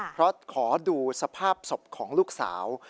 เพราะขอดูสภาพศพของลูกสาว